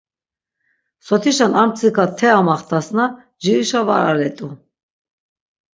Sotişen ar mtsika te amaxtasna ncirişa var alet̆u.